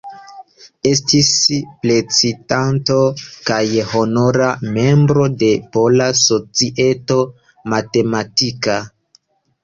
Estis prezidanto kaj honora membro de Pola Societo Matematika.